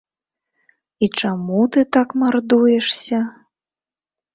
І чаму ты так мардуешся?